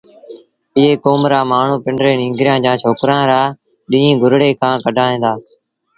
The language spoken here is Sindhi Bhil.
ايئي ڪوم رآ مآڻهوٚٚݩ پنڊري ننگريآݩ جآݩ ڇوڪرآݩ رآ ڏيݩهݩ گُرڙي کآݩ ڪڍائيٚݩ دآ